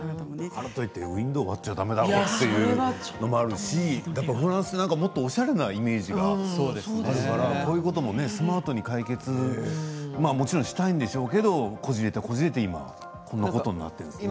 ウインドー割っちゃだめだろうというのもあるしフランスなんてもっとおしゃれなイメージがあるからこういうこともスマートに解決もちろんしたんでしょうけれどもこじれてこじれて今こんなことになっているんですね。